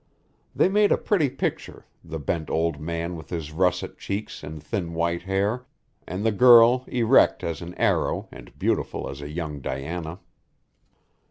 They made a pretty picture, the bent old man with his russet cheeks and thin white hair, and the girl erect as an arrow and beautiful as a young Diana.